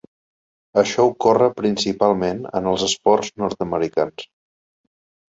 Això ocorre principalment en els esports nord-americans.